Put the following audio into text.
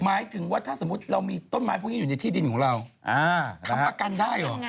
หมายถึงว่าถ้าสมมุติเรามีต้นไม้พวกนี้อยู่ในที่ดินของเราทำประกันได้เหรอ